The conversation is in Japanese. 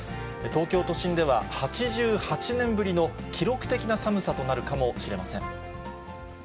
東京都心では、８８年ぶりの記録的な寒さとなるかもしれません。